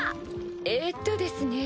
えっとですね